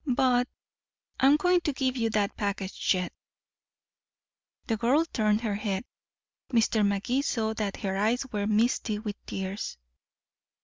But I'm going to give you that package yet." The girl turned her head. Mr. Magee saw that her eyes were misty with tears.